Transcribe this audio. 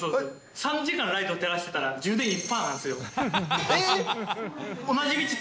３時間ライト照らしてたら、充電１パーなんすよ。え？